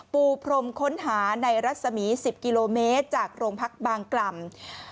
ปูพรมค้นหาในรัศมี๑๐กิโลเมตรจากโรงพักบางกล่ำ